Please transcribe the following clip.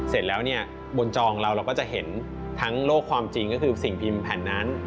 เสร็จแล้วเนี่ยบนจองเราเราก็จะเห็นทั้งโลกความจริงก็คือสิ่งพิมพ์แผ่นนั้น